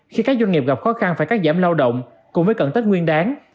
khi các doanh nghiệp gặp khó khăn phải cắt giảm lao động cùng với cận tết nguyên đáng